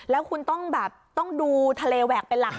แล้วคุณต้องดูทะเลแหวกเป็นหลักก่อน